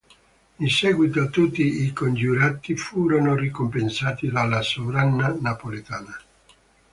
In seguito tutti i congiurati furono ricompensati dalla sovrana napoletana.